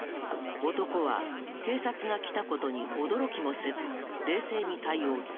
男は警察が来た事に驚きもせず冷静に対応する。